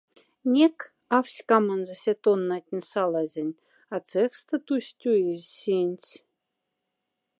Няк, аф ськамонза ся тоннатнень салазень, а цехста «тусть уезь» синць.